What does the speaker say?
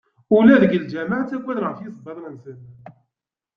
Ula deg lǧameɛ ttagaden ɣef yisebbaḍen-nsen.